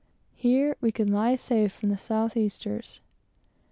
Here we could lie safe from the south easters.